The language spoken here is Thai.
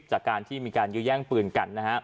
จากการที่มีการยืดแย่งปืน